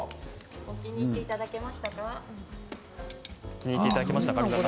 気に入っていただけましたか？